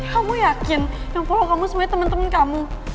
kamu yakin yang follow kamu semuanya teman teman kamu